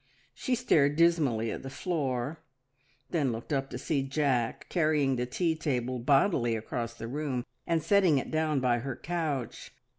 She stared dismally at the floor, then looked up to see Jack carrying the tea table bodily across the room and setting it down by her couch.